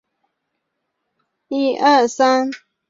西晋永嘉后废。